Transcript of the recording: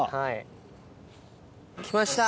来ました！